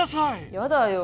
やだよ。